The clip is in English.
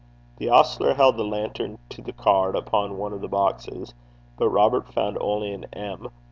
The ostler held the lantern to the card upon one of the boxes, but Robert found only an M.